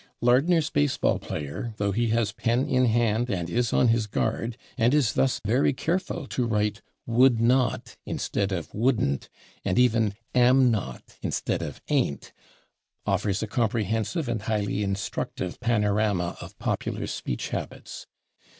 Lardner's baseball player, though he has pen in hand and is on his guard, and is thus very careful to write /would not/ instead of /wouldn't/ and even /am not/ instead of /ain't/, offers a comprehensive and highly instructive panorama of popular speech habits.